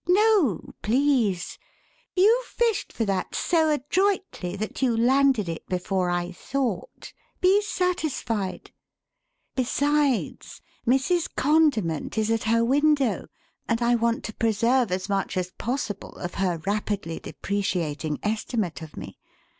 "No please! You fished for that so adroitly that you landed it before I thought. Be satisfied. Besides, Mrs. Condiment is at her window, and I want to preserve as much as possible of her rapidly depreciating estimate of me.